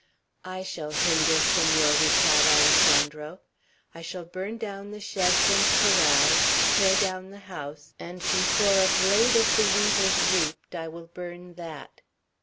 "I shall hinder, Senor," replied Alessandro. "I shall burn down the sheds and corrals, tear down the house; and before a blade of the wheat is reaped, I will burn that."